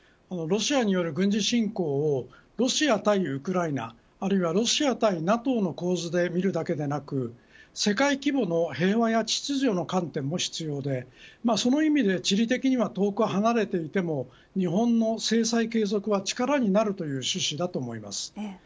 ロシアによる軍事侵攻をロシア対ウクライナあるいはロシア対ＮＡＴＯの構図で見るだけでなく世界規模の平和や秩序の観点も必要でその意味で、地理的には遠く離れていても日本の制裁継続は力になるという趣旨だと思います。